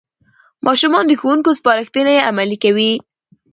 ماشومان د ښوونکو سپارښتنې عملي کوي